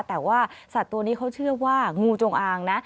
แต่ว่าสัตว์ตัวนี้เขาเชื่อว่างูจงอางนะ